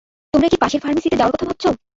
তোমরা কি পাশের ফার্মেসিতে যাওয়ার কথা ভাবছো?